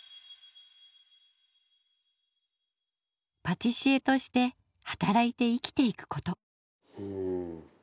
パティシエとして働いて生きていくこと。